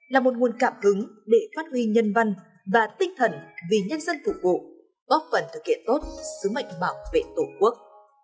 là một nguồn cảm hứng để phát huy nhân văn và tinh thần vì nhân dân phục vụ góp phần thực hiện tốt sứ mệnh bảo vệ tổ quốc